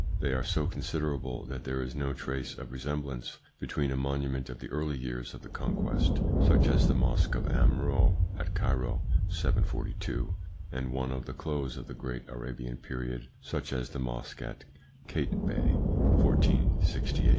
They are so considerable, that there is no trace of resemblance between a monument of the early years of the conquest, such as the mosque of Amrou at Cairo (742), and one of the close of the great Arabian period, such as the mosque of Kait Bey (1468).